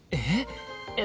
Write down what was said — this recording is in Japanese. えっ？